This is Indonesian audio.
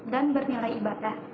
dan bernilai ibadah